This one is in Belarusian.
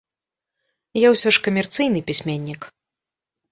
Я ўсё ж камерцыйны пісьменнік.